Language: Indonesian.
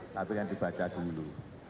tapi yang dibaca dulu